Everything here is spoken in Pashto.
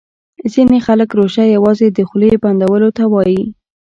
ځیني خلګ روژه یوازي د خولې بندولو ته وايي